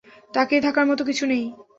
তাকিয়ে থাকার মতো কিছু নেই।